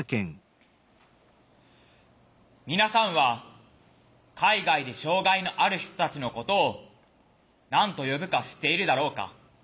皆さんは海外で障害のある人たちのことを何と呼ぶか知っているだろうか。